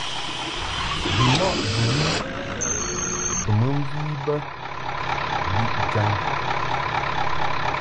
Bimɔʼ bɨwi kɨ mɨ mvi bə mbi jaŋ.